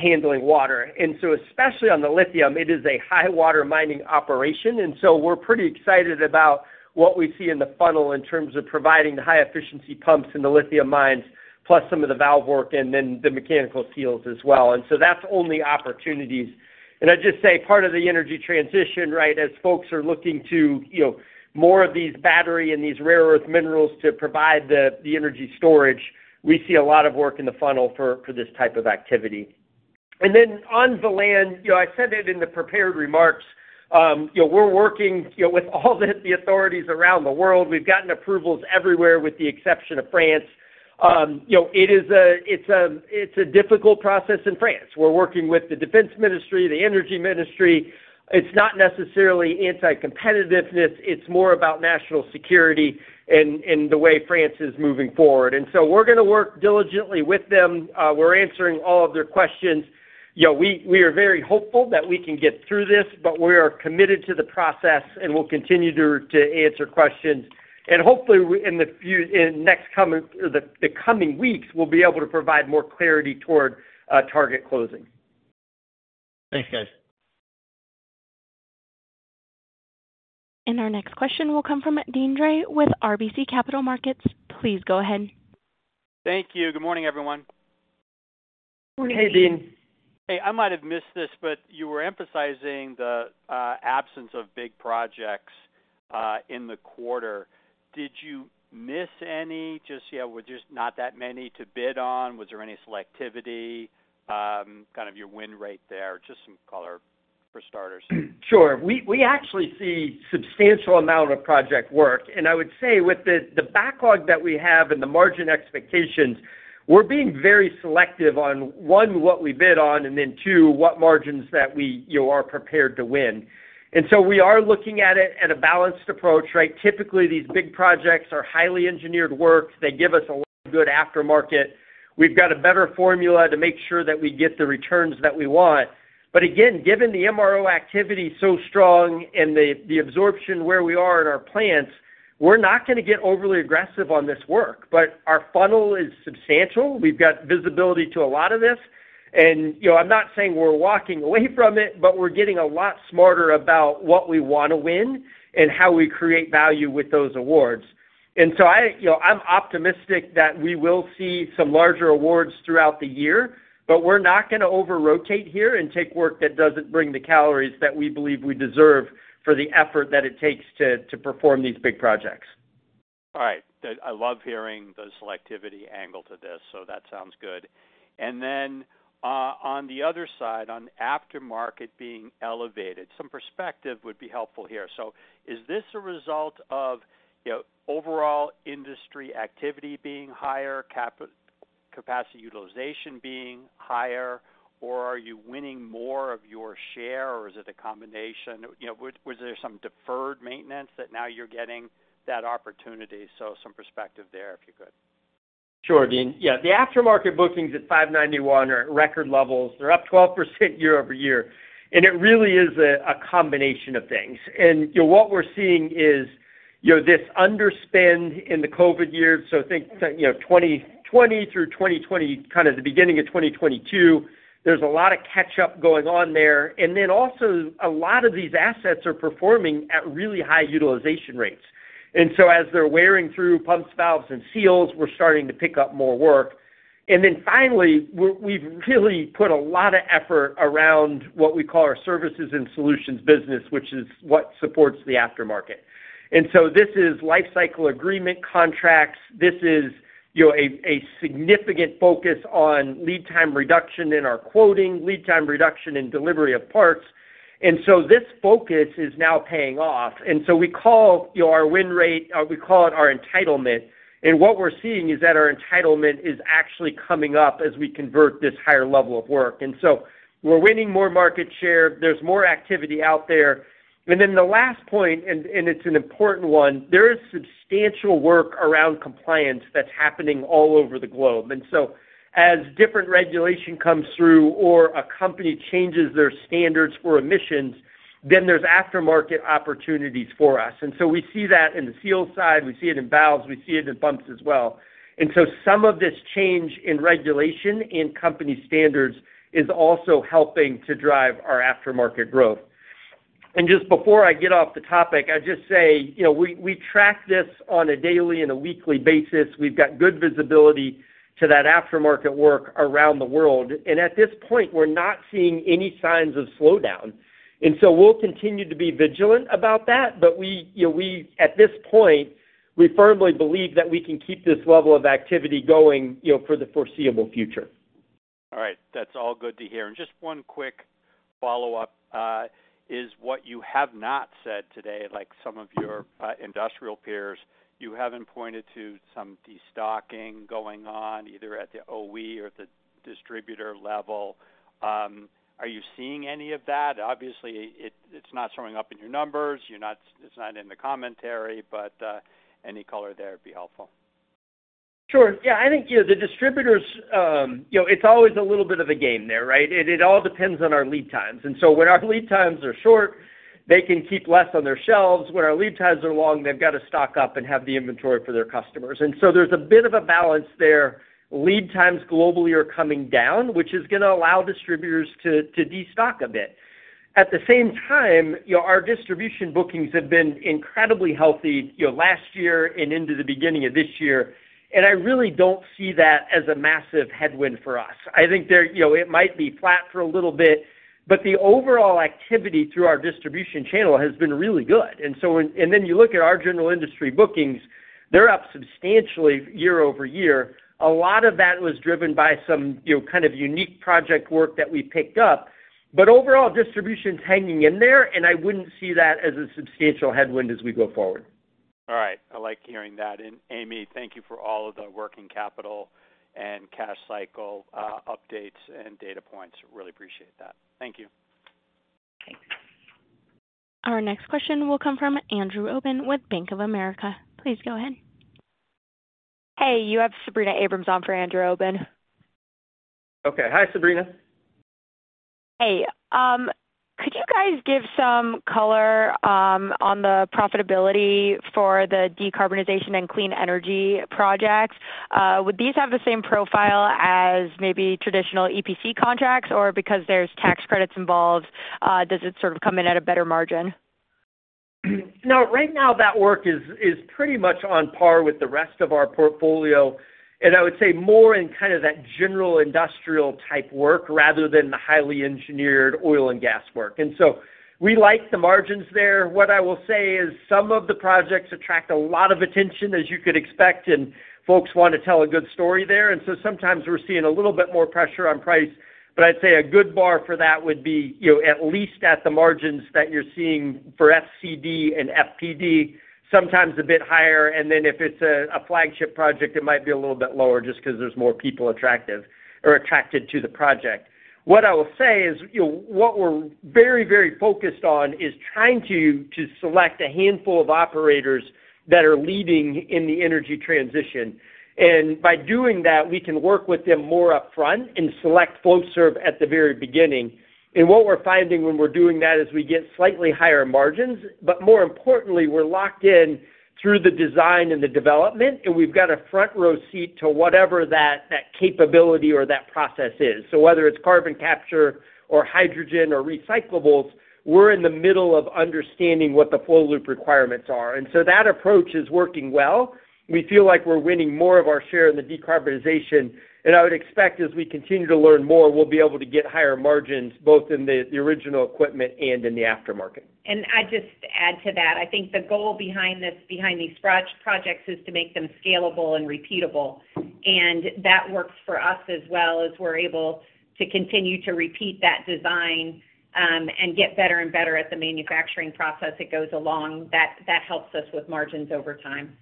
[SPEAKER 3] handling water. Especially on the lithium, it is a high-water mining operation, so we're pretty excited about what we see in the funnel in terms of providing the high-efficiency pumps in the lithium mines, plus some of the valve work and then the mechanical seals as well. That's only opportunities. I'd just say, part of the energy transition, right, as folks are looking to, you know, more of these battery and these rare earth minerals to provide the, the energy storage, we see a lot of work in the funnel for, for this type of activity. On Velan, you know, I said it in the prepared remarks, you know, we're working, you know, with all the, the authorities around the world. We've gotten approvals everywhere with the exception of France. You know, it's a difficult process in France. We're working with the Defense Ministry, the Energy Ministry. It's not necessarily anti-competitiveness, it's more about national security and, and the way France is moving forward. We're gonna work diligently with them. We're answering all of their questions. You know, we, we are very hopeful that we can get through this, but we are committed to the process, and we'll continue to, to answer questions. Hopefully, in the coming weeks, we'll be able to provide more clarity toward target closing.
[SPEAKER 6] Thanks, guys.
[SPEAKER 1] Our next question will come from Deane Dray with RBC Capital Markets. Please go ahead.
[SPEAKER 7] Thank you. Good morning, everyone.
[SPEAKER 3] Hey, Deane.
[SPEAKER 7] Hey, I might have missed this, but you were emphasizing the absence of big projects in the quarter. Did you miss any? Just, yeah, were just not that many to bid on. Was there any selectivity, kind of your win rate there? Just some color for starters.
[SPEAKER 3] Sure. We, we actually see substantial amount of project work, I would say with the, the backlog that we have and the margin expectations, we're being very selective on, one, what we bid on, and then two, what margins that we, you know, are prepared to win. So we are looking at it at a balanced approach, right? Typically, these big projects are highly engineered works. They give us a lot of good aftermarket. We've got a better formula to make sure that we get the returns that we want. Again, given the MRO activity so strong and the, the absorption where we are in our plants, we're not gonna get overly aggressive on this work. Our funnel is substantial. We've got visibility to a lot of this. You know, I'm not saying we're walking away from it, but we're getting a lot smarter about what we wanna win and how we create value with those awards. I, you know, I'm optimistic that we will see some larger awards throughout the year, but we're not gonna over-rotate here and take work that doesn't bring the calories that we believe we deserve for the effort that it takes to, to perform these big projects.
[SPEAKER 7] All right. I love hearing the selectivity angle to this, so that sounds good. Then, on the other side, on aftermarket being elevated, some perspective would be helpful here. Is this a result of, you know, overall industry activity being higher, capacity utilization being higher, or are you winning more of your share, or is it a combination? You know, was there some deferred maintenance that now you're getting that opportunity? Some perspective there, if you could.
[SPEAKER 3] Sure, Deane. Yeah, the aftermarket bookings at 591 are at record levels. They're up 12% year-over-year, and it really is a combination of things. You know, what we're seeing is, you know, this underspend in the COVID years, so think, you know, 2020 through 2020, kind of the beginning of 2022. There's a lot of catch up going on there. Also, a lot of these assets are performing at really high utilization rates. As they're wearing through pumps, valves, and seals, we're starting to pick up more work. Finally, we've really put a lot of effort around what we call our services and solutions business, which is what supports the aftermarket. This is life cycle agreement contracts. This is, you know, a, a significant focus on lead time reduction in our quoting, lead time reduction in delivery of parts. This focus is now paying off. We call, you know, our win rate, we call it our entitlement. What we're seeing is that our entitlement is actually coming up as we convert this higher level of work. We're winning more market share. There's more activity out there. The last point, and, and it's an important one, there is substantial work around compliance that's happening all over the globe. As different regulation comes through or a company changes their standards for emissions, then there's aftermarket opportunities for us. We see that in the seal side, we see it in valves, we see it in pumps as well. Some of this change in regulation and company standards is also helping to drive our aftermarket growth. Just before I get off the topic, I'd just say, you know, we, we track this on a daily and a weekly basis. We've got good visibility to that aftermarket work around the world. At this point, we're not seeing any signs of slowdown. We'll continue to be vigilant about that, but we, you know, at this point, we firmly believe that we can keep this level of activity going, you know, for the foreseeable future.
[SPEAKER 7] All right. That's all good to hear. Just 1 quick follow-up, is what you have not said today, like some of your industrial peers, you haven't pointed to some destocking going on, either at the OE or at the distributor level. Are you seeing any of that? Obviously, it's not showing up in your numbers. It's not in the commentary, but any color there would be helpful.
[SPEAKER 3] Sure. Yeah, I think, you know, the distributors, you know, it's always a little bit of a game there, right? It, it all depends on our lead times. So when our lead times are short, they can keep less on their shelves. When our lead times are long, they've got to stock up and have the inventory for their customers. So there's a bit of a balance there. Lead times globally are coming down, which is gonna allow distributors to, to destock a bit. At the same time, you know, our distribution bookings have been incredibly healthy, you know, last year and into the beginning of this year, and I really don't see that as a massive headwind for us. I think there, you know, it might be flat for a little bit, but the overall activity through our distribution channel has been really good. You look at our general industry bookings, they're up substantially year-over-year. A lot of that was driven by some, you know, kind of unique project work that we picked up. Overall, distribution's hanging in there, and I wouldn't see that as a substantial headwind as we go forward.
[SPEAKER 7] All right. I like hearing that. Amy, thank you for all of the working capital and cash cycle, updates and data points. Really appreciate that. Thank you.
[SPEAKER 3] Thanks.
[SPEAKER 1] Our next question will come from Andrew Obin with Bank of America. Please go ahead.
[SPEAKER 8] Hey, you have Sabrina Abrams on for Andrew Obin.
[SPEAKER 3] Okay. Hi, Sabrina.
[SPEAKER 8] Hey, could you guys give some color on the profitability for the decarbonization and clean energy projects? Would these have the same profile as maybe traditional EPC contracts, or because there's tax credits involved, does it sort of come in at a better margin?
[SPEAKER 3] Now, right now, that work is, is pretty much on par with the rest of our portfolio, and I would say more in kind of that general industrial type work rather than the highly engineered oil and gas work. So we like the margins there. What I will say is some of the projects attract a lot of attention, as you could expect, and folks want to tell a good story there, and so sometimes we're seeing a little bit more pressure on price. I'd say a good bar for that would be, you know, at least at the margins that you're seeing for FCD and FPD, sometimes a bit higher, and then if it's a, a flagship project, it might be a little bit lower just because there's more people attractive, or attracted to the project. What I will say is, you know, what we're very, very focused on is trying to, to select a handful of operators that are leading in the energy transition. By doing that, we can work with them more upfront and select Flowserve at the very beginning. What we're finding when we're doing that is we get slightly higher margins, but more importantly, we're locked in through the design and the development, and we've got a front-row seat to whatever that, that capability or that process is. Whether it's carbon capture or hydrogen or recyclables, we're in the middle of understanding what the flow loop requirements are. That approach is working well. We feel like we're winning more of our share in the decarbonization. I would expect as we continue to learn more, we'll be able to get higher margins, both in the, the original equipment and in the aftermarket.
[SPEAKER 4] I just add to that, I think the goal behind behind these projects is to make them scalable and repeatable, and that works for us as well as we're able to continue to repeat that design and get better and better at the manufacturing process. It goes along. That, that helps us with margins over time.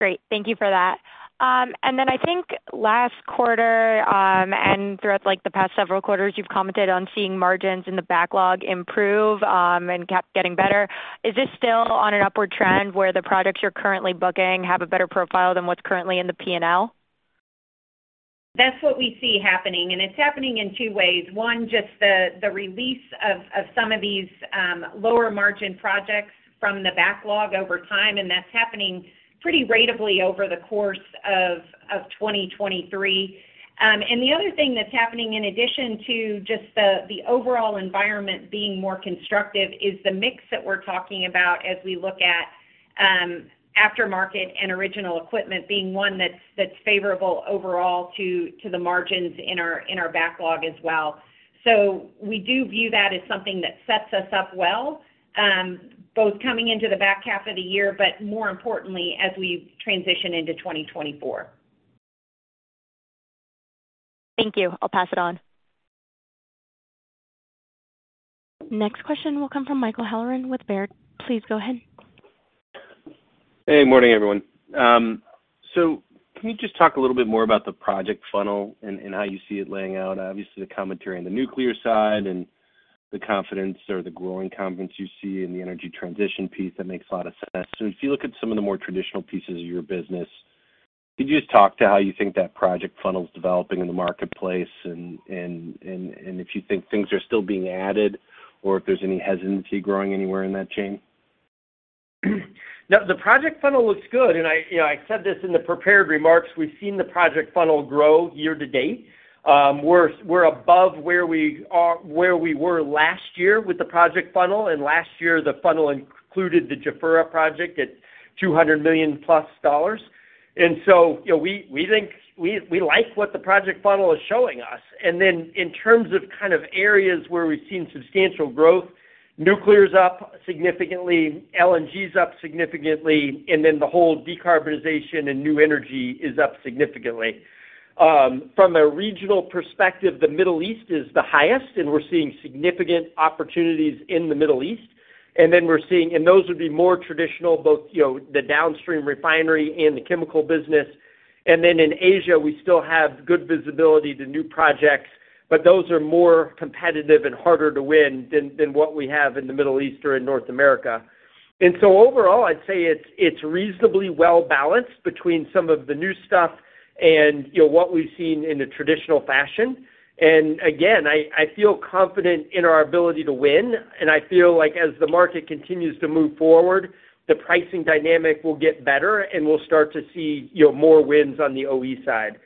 [SPEAKER 8] Great. Thank you for that. I think last quarter, and throughout, like, the past several quarters, you've commented on seeing margins in the backlog improve, and kept getting better. Is this still on an upward trend where the products you're currently booking have a better profile than what's currently in the P&L?
[SPEAKER 4] That's what we see happening, and it's happening in 2 ways. One, just the, the release of, of some of these, lower-margin projects from the backlog over time, and that's happening pretty ratably over the course of, of 2023. The other thing that's happening, in addition to just the, the overall environment being more constructive, is the mix that we're talking about as we look at, aftermarket and original equipment being one that's, that's favorable overall to, to the margins in our, in our backlog as well. We do view that as something that sets us up well, both coming into the back half of the year, but more importantly, as we transition into 2024.
[SPEAKER 8] Thank you. I'll pass it on.
[SPEAKER 1] Next question will come from Michael Halloran with Baird. Please go ahead.
[SPEAKER 9] Hey, good morning, everyone. Can you just talk a little bit more about the project funnel and how you see it laying out? Obviously, the commentary on the nuclear side and the confidence or the growing confidence you see in the energy transition piece, that makes a lot of sense. If you look at some of the more traditional pieces of your business, could you just talk to how you think that project funnel is developing in the marketplace and if you think things are still being added, or if there's any hesitancy growing anywhere in that chain?
[SPEAKER 3] No, the project funnel looks good, and I, you know, I said this in the prepared remarks, we've seen the project funnel grow year to date. We're above where we were last year with the project funnel, and last year, the funnel included the Jafurah project at $200 million-plus. You know, we think, we like what the project funnel is showing us. In terms of kind of areas where we've seen substantial growth, nuclear is up significantly, LNG is up significantly, and then the whole decarbonization and new energy is up significantly. From a regional perspective, the Middle East is the highest, and we're seeing significant opportunities in the Middle East. We're seeing those would be more traditional, both, you know, the downstream refinery and the chemical business. Then in Asia, we still have good visibility to new projects, but those are more competitive and harder to win than, than what we have in the Middle East or in North America. Overall, I'd say it's, it's reasonably well balanced between some of the new stuff and, you know, what we've seen in a traditional fashion. Again, I, I feel confident in our ability to win, and I feel like as the market continues to move forward, the pricing dynamic will get better, and we'll start to see, you know, more wins on the OE side.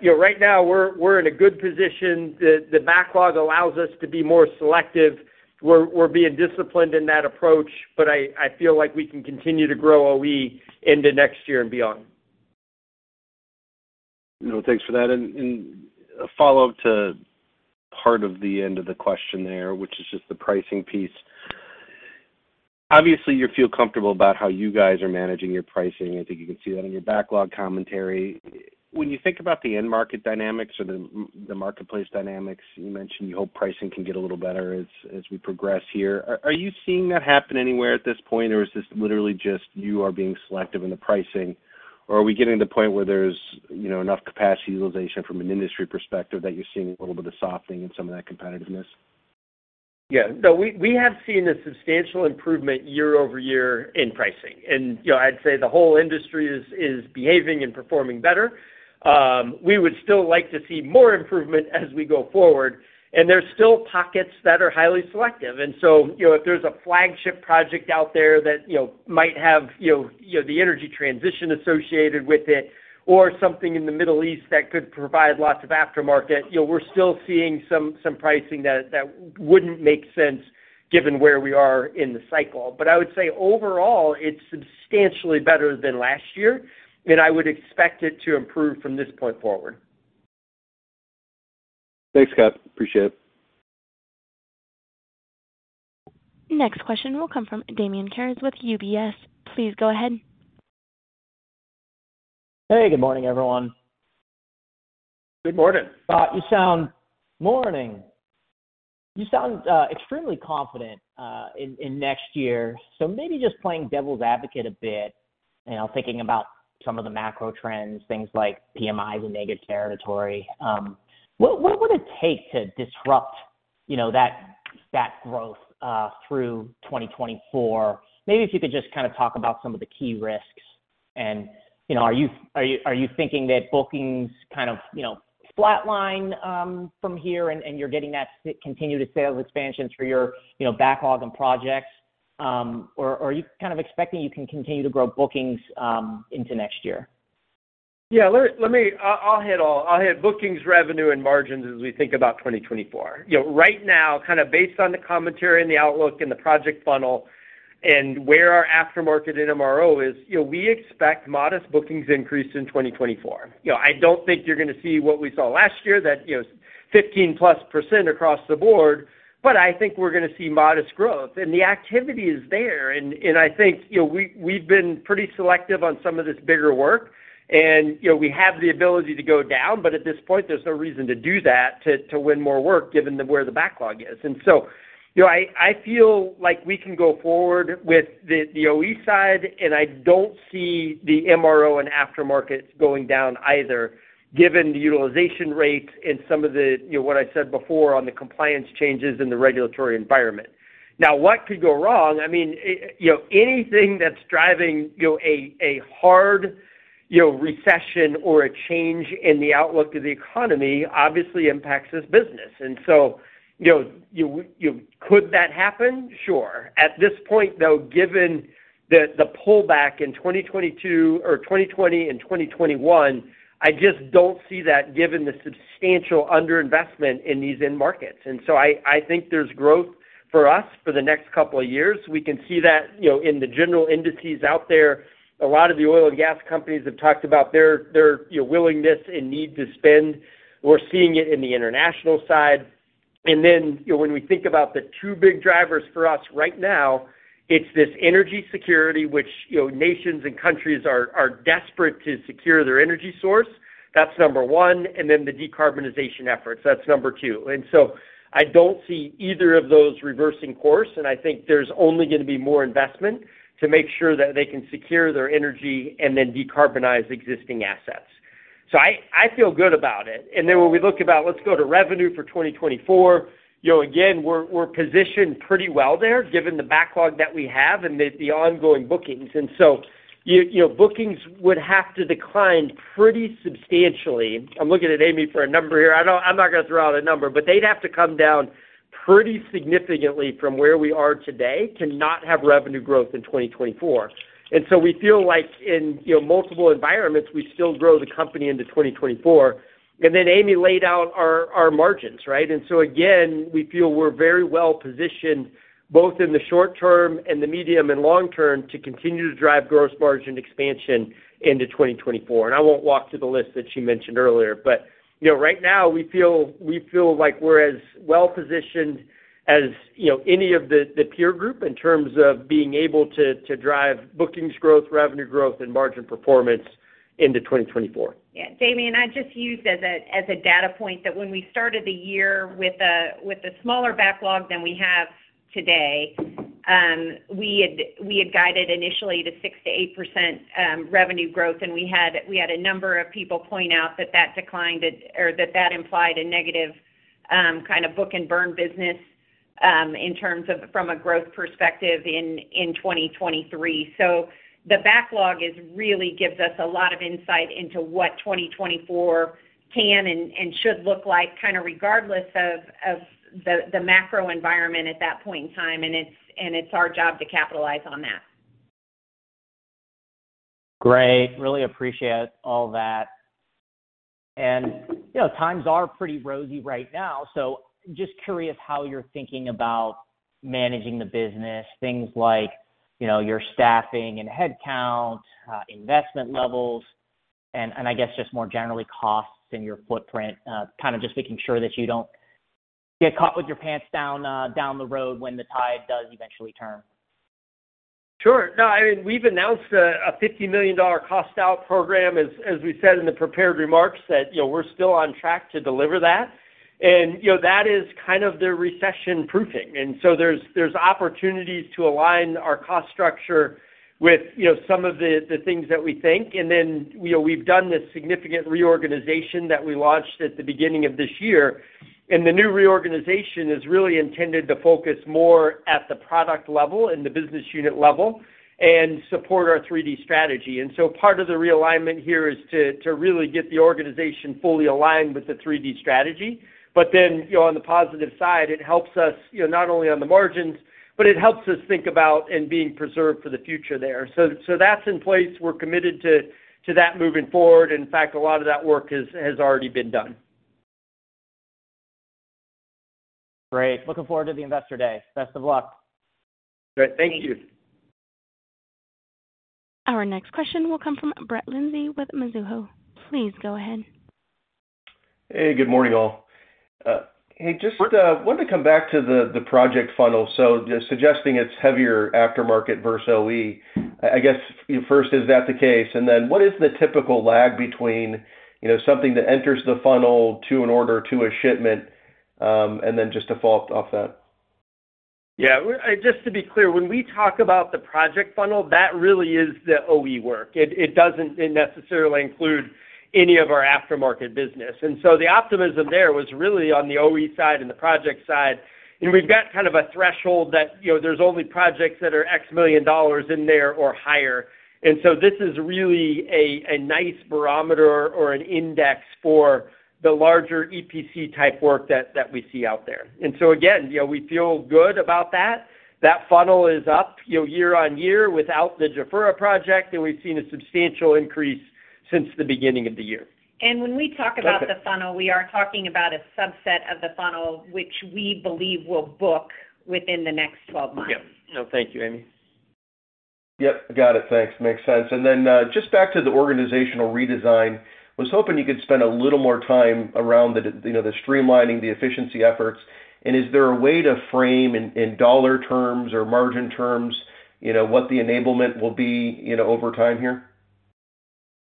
[SPEAKER 3] You know, right now we're, we're in a good position. The, the backlog allows us to be more selective. We're, we're being disciplined in that approach, but I, I feel like we can continue to grow OE into next year and beyond.
[SPEAKER 9] You know, thanks for that. A follow-up to part of the end of the question there, which is just the pricing piece. Obviously, you feel comfortable about how you guys are managing your pricing. I think you can see that in your backlog commentary. When you think about the end market dynamics or the marketplace dynamics, you mentioned you hope pricing can get a little better as we progress here. Are you seeing that happen anywhere at this point, or is this literally just you are being selective in the pricing, or are we getting to the point where there's, you know, enough capacity utilization from an industry perspective that you're seeing a little bit of softening in some of that competitiveness?
[SPEAKER 3] Yeah. No, we, we have seen a substantial improvement year-over-year in pricing. You know, I'd say the whole industry is, is behaving and performing better. We would still like to see more improvement as we go forward, and there's still pockets that are highly selective. You know, if there's a flagship project out there that, you know, might have, you know, the energy transition associated with it or something in the Middle East that could provide lots of aftermarket, you know, we're still seeing some, some pricing that, that wouldn't make sense given where we are in the cycle. I would say overall, it's substantially better than last year, and I would expect it to improve from this point forward.
[SPEAKER 9] Thanks, Scott. Appreciate it.
[SPEAKER 1] Next question will come from Damian Karas with UBS. Please go ahead.
[SPEAKER 10] Hey, good morning, everyone.
[SPEAKER 3] Good morning.
[SPEAKER 10] Morning! You sound extremely confident in next year. Maybe just playing devil's advocate a bit, you know, thinking about some of the macro trends, things like PMIs in negative territory. What, what would it take to disrupt, you know, that, that growth through 2024? Maybe if you could just kind of talk about some of the key risks and, you know, are you-- are you, are you thinking that bookings kind of, you know, flatline from here, and, and you're getting that continued sales expansions for your, you know, backlog and projects, or, or are you kind of expecting you can continue to grow bookings into next year?
[SPEAKER 3] Yeah, let, let me... I, I'll hit all. I'll hit bookings, revenue, and margins as we think about 2024. You know, right now, kind of based on the commentary and the outlook and the project funnel and where our aftermarket and MRO is, you know, we expect modest bookings increase in 2024. You know, I don't think you're going to see what we saw last year, that, you know, 15+% across the board, but I think we're going to see modest growth. The activity is there, and, and I think, you know, we, we've been pretty selective on some of this bigger work. You know, we have the ability to go down, but at this point, there's no reason to do that, to, to win more work given the, where the backlog is. So, you know, I, I feel like we can go forward with the OE side, and I don't see the MRO and aftermarket going down either, given the utilization rates and some of the, you know, what I said before on the compliance changes in the regulatory environment. Now, what could go wrong? I mean, you know, anything that's driving, you know, a hard, you know, recession or a change in the outlook of the economy obviously impacts this business. So, you know, could that happen? Sure. At this point, though, given the pullback in 2022 or 2020 and 2021, I just don't see that given the substantial underinvestment in these end markets. So I, I think there's growth for us for the next couple of years. We can see that, you know, in the general indices out there. A lot of the oil and gas companies have talked about their, their, you know, willingness and need to spend. We're seeing it in the international side. You know, when we think about the two big drivers for us right now, it's this energy security, which, you know, nations and countries are, are desperate to secure their energy source. That's number one, and then the decarbonization efforts, that's number two. I don't see either of those reversing course, and I think there's only going to be more investment to make sure that they can secure their energy and then decarbonize existing assets. I, I feel good about it. When we look about, let's go to revenue for 2024, you know, again, we're, we're positioned pretty well there, given the backlog that we have and the, the ongoing bookings. You, you know, bookings would have to decline pretty substantially. I'm looking at Amy for a number here. I'm not going to throw out a number, but they'd have to come down pretty significantly from where we are today to not have revenue growth in 2024. We feel like in, you know, multiple environments, we still grow the company into 2024. Amy laid out our, our margins, right? Again, we feel we're very well positioned, both in the short term and the medium and long term, to continue to drive gross margin expansion into 2024. I won't walk through the list that she mentioned earlier, but, you know, right now we feel like we're as well-positioned as, you know, any of the peer group in terms of being able to drive bookings growth, revenue growth, and margin performance into 2024.
[SPEAKER 4] Yeah, Damian, I just used as a, as a data point, that when we started the year with a, with a smaller backlog than we have today, we had, we had guided initially to 6%-8% revenue growth, and we had, we had a number of people point out that that declined or that that implied a negative, kind of book-and-burn business, in terms of from a growth perspective in 2023. The backlog is really gives us a lot of insight into what 2024 can and, and should look like, kind of regardless of, of the, the macro environment at that point in time, and it's, and it's our job to capitalize on that.
[SPEAKER 10] Great, really appreciate all that. You know, times are pretty rosy right now, so just curious how you're thinking about managing the business, things like, you know, your staffing and headcount, investment levels, and I guess just more generally, costs in your footprint, kind of just making sure that you don't get caught with your pants down, down the road when the tide does eventually turn.
[SPEAKER 3] Sure. No, I mean, we've announced a $50 million cost out program, as we said in the prepared remarks, that, you know, we're still on track to deliver that. You know, that is kind of the recession-proofing. So there's opportunities to align our cost structure with, you know, some of the things that we think. Then, you know, we've done this significant reorganization that we launched at the beginning of this year, and the new reorganization is really intended to focus more at the product level and the BU level and support our 3D strategy. So part of the realignment here is to really get the organization fully aligned with the 3D strategy. Then, you know, on the positive side, it helps us, you know, not only on the margins, but it helps us think about and being preserved for the future there. That's in place. We're committed to that moving forward. In fact, a lot of that work has already been done.
[SPEAKER 10] Great. Looking forward to the Investor Day. Best of luck.
[SPEAKER 3] Great. Thank you.
[SPEAKER 1] Our next question will come from Brett Linzey with Mizuho. Please go ahead.
[SPEAKER 11] Hey, good morning, all. Hey, just wanted to come back to the, the project funnel. Just suggesting it's heavier aftermarket versus OE. I, I guess, first, is that the case? Then what is the typical lag between, you know, something that enters the funnel to an order, to a shipment? Then just to follow up off that.
[SPEAKER 3] Yeah, just to be clear, when we talk about the project funnel, that really is the OE work. It, it doesn't necessarily include any of our aftermarket business. So the optimism there was really on the OE side and the project side. We've got kind of a threshold that, you know, there's only projects that are X million dollars in there or higher. So this is really a, a nice barometer or an index for the larger EPC-type work that, that we see out there. So again, you know, we feel good about that. That funnel is up, you know, year-over-year without the Jafurah project, and we've seen a substantial increase since the beginning of the year.
[SPEAKER 4] When we talk about the funnel, we are talking about a subset of the funnel, which we believe will book within the next 12 months.
[SPEAKER 3] Yeah. No, thank you, Amy.
[SPEAKER 11] Yep, got it. Thanks. Makes sense. Just back to the organizational redesign. Was hoping you could spend a little more time around the, you know, the streamlining, the efficiency efforts. Is there a way to frame in, in dollar terms or margin terms, you know, what the enablement will be, you know, over time here?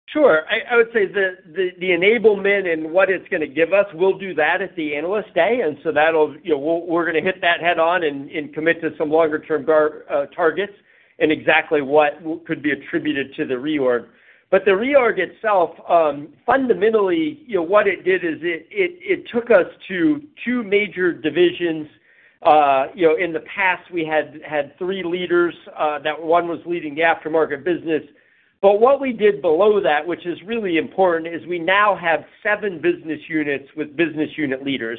[SPEAKER 3] Sure. I, I would say the, the, the enablement and what it's gonna give us, we'll do that at the Analyst Day, that'll. You know, we're, we're gonna hit that head-on and, and commit to some longer term targets and exactly what could be attributed to the reorg. The reorg itself, fundamentally, you know, what it did is it, it, it took us to two major divisions. You know, in the past, we had, had three leaders, that one was leading the aftermarket business. What we did below that, which is really important, is we now have seven business units with business unit leaders.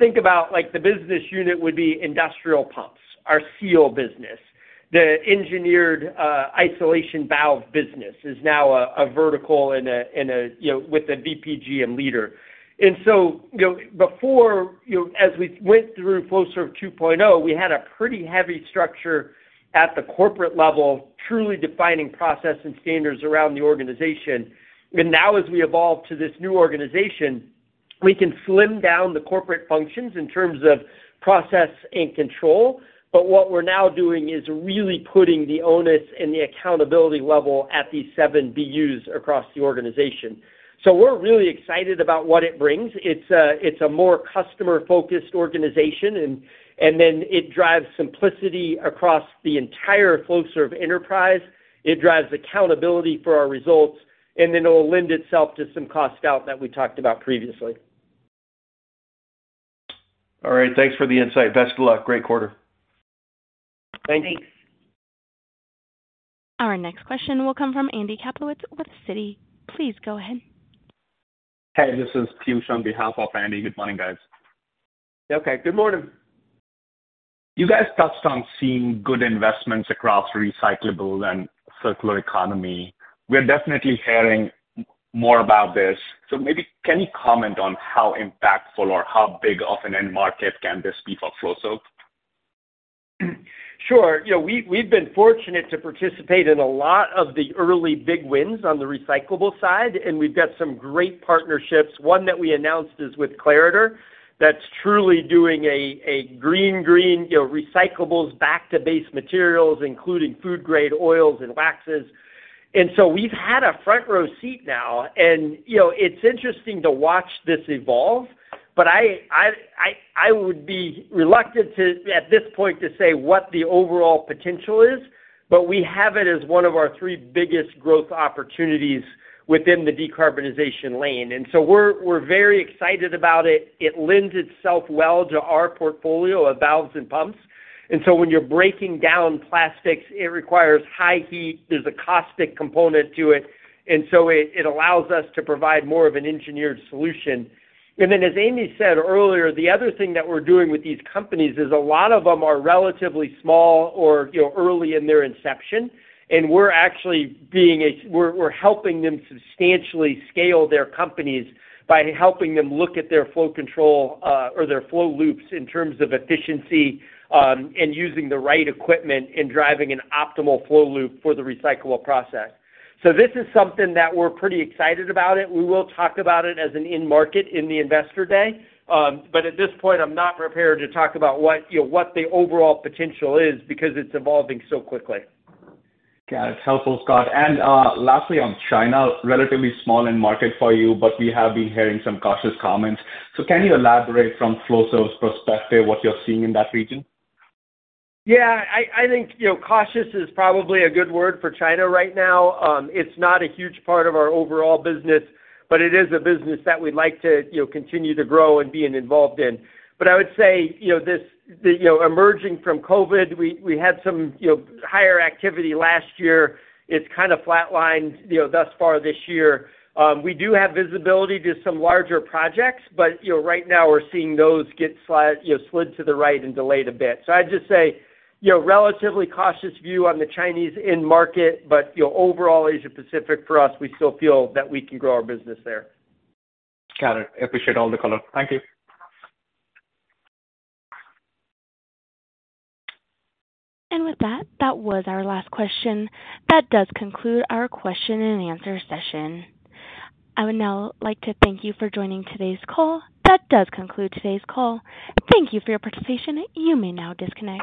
[SPEAKER 3] Think about, like the business unit would be industrial pumps, our seal business. The engineered isolation valve business is now a, a vertical and a, and a, you know, with a VPG and leader. You know, before, you know, as we went through Flowserve 2.0, we had a pretty heavy structure at the corporate level, truly defining process and standards around the organization. Now, as we evolve to this new organization, we can slim down the corporate functions in terms of process and control. What we're now doing is really putting the onus and the accountability level at these seven BUs across the organization. We're really excited about what it brings. It's a, it's a more customer-focused organization, and, and then it drives simplicity across the entire Flowserve enterprise. It drives accountability for our results, and then it will lend itself to some cost out that we talked about previously.
[SPEAKER 11] All right. Thanks for the insight. Best of luck. Great quarter.
[SPEAKER 3] Thank you.
[SPEAKER 4] Thanks.
[SPEAKER 1] Our next question will come from Andrew Kaplowitz with Citi. Please go ahead.
[SPEAKER 12] Hey, this is Piyush on behalf of Andy. Good morning, guys.
[SPEAKER 3] Okay, good morning.
[SPEAKER 12] You guys touched on seeing good investments across recyclables and circular economy. We're definitely hearing more about this. Maybe can you comment on how impactful or how big of an end market can this be for Flowserve?
[SPEAKER 3] Sure. You know, we, we've been fortunate to participate in a lot of the early big wins on the recyclable side, and we've got some great partnerships. One that we announced is with Clariter, that's truly doing a, a green, green, you know, recyclables back to base materials, including food grade, oils, and waxes. So we've had a front-row seat now, and, you know, it's interesting to watch this evolve, but I, I, I, I would be reluctant to, at this point, to say what the overall potential is, but we have it as one of our three biggest growth opportunities within the decarbonization lane. So we're, we're very excited about it. It lends itself well to our portfolio of valves and pumps. So when you're breaking down plastics, it requires high heat. There's a caustic component to it, and so it, it allows us to provide more of an engineered solution. Then, as Amy said earlier, the other thing that we're doing with these companies is a lot of them are relatively small or, you know, early in their inception, and we're actually being we're, we're helping them substantially scale their companies by helping them look at their flow control or their flow loops in terms of efficiency, and using the right equipment and driving an optimal flow loop for the recyclable process. This is something that we're pretty excited about it. We will talk about it as an end market in the Investor Day, but at this point, I'm not prepared to talk about what, you know, what the overall potential is because it's evolving so quickly.
[SPEAKER 12] Got it. Helpful, Scott. Lastly, on China, relatively small end market for you, but we have been hearing some cautious comments. Can you elaborate from Flowserve's perspective, what you're seeing in that region?
[SPEAKER 3] Yeah, I, I think, you know, cautious is probably a good word for China right now. It's not a huge part of our overall business, but it is a business that we'd like to, you know, continue to grow and being involved in. I would say, you know, this, the, you know, emerging from COVID, we, we had some, you know, higher activity last year. It's kind of flatlined, you know, thus far this year. We do have visibility to some larger projects, but, you know, right now we're seeing those get slide, you know, slid to the right and delayed a bit. I'd just say, you know, relatively cautious view on the Chinese end market, but, you know, overall, Asia-Pacific for us, we still feel that we can grow our business there.
[SPEAKER 12] Got it. I appreciate all the color. Thank you.
[SPEAKER 1] With that, that was our last question. That does conclude our question and answer session. I would now like to thank you for joining today's call. That does conclude today's call. Thank you for your participation. You may now disconnect.